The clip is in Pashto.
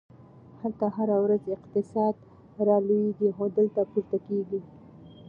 هلته هره ورځ اقتصاد رالویږي، خو دلته پورته کیږي!